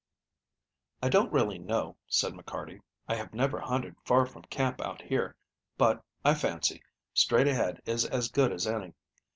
"I don't really know," said McCarty. "I have never hunted far from camp out here, but, I fancy, straight ahead is as good as any.